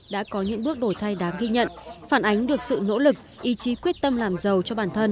đã ghi nhận phản ánh được sự nỗ lực ý chí quyết tâm làm giàu cho bản thân